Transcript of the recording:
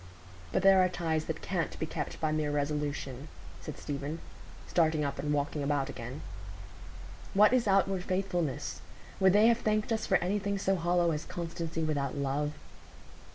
"But there are ties that can't be kept by mere resolution," said Stephen, starting up and walking about again. "What is outward faithfulness? Would they have thanked us for anything so hollow as constancy without love?"